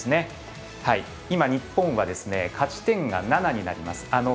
今、日本は勝ち点が７になります。